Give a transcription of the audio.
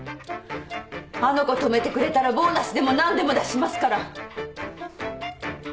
あの子止めてくれたらボーナスでも何でも出しますから。